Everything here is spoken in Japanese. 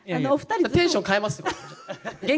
テンション変えますよ。